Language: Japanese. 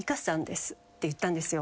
言ったんですよ。